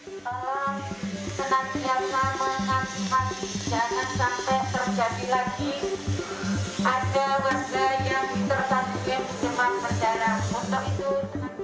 tolong tenang tenang sama sama jangan sampai terjadi lagi ada warga yang tertatuyen demam berdarah